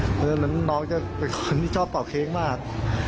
เพราะฉะนั้นน้องจะเป็นคนที่ชอบเป่าเค้กมาก